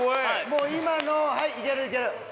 もう今のをはいいけるいける！